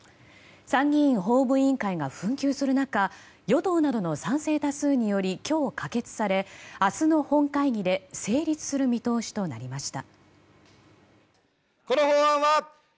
参議院法務委員会が紛糾する中、与党などの賛成多数により今日可決され明日の本会議で成立する見通しとなりました。